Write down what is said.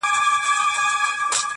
زه چي تا وينم لېونی سمه له حاله وځم_